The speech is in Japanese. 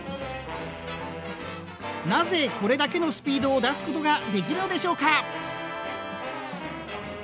なぜこれだけのスピードを出すことができるのでしょうか。